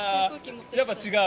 やっぱ違う？